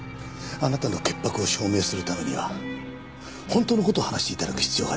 あなたの潔白を証明するためには本当の事を話して頂く必要があります。